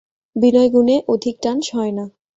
বিনয়গুণে অধিক টান সয় না।